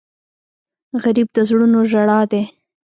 غریب د زړونو ژړا دی